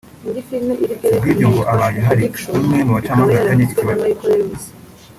Ku bw’ibyo ngo abaye hari umwe mu bacamanza bafitanye ikibazo